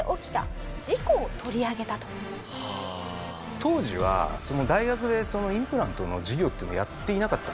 当時は大学でインプラントの授業っていうのをやっていなかったんですね。